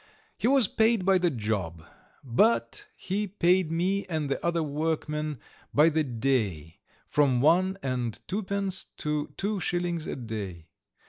He was paid by the job, but he paid me and the other workmen by the day, from one and twopence to two shillings a day.